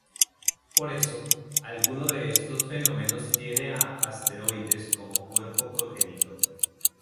Por eso, alguno de estos fenómenos tiene a asteroides como cuerpo progenitor.